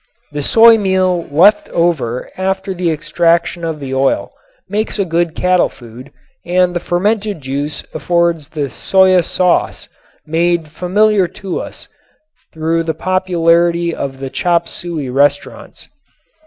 The soy meal left after the extraction of the oil makes a good cattle food and the fermented juice affords the shoya sauce made familiar to us through the popularity of the chop suey restaurants.